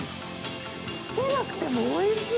つけなくてもおいしい。